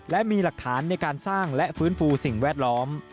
และมีหลักฐานในการสร้างและฟื้นฟูสิ่งแวดล้อม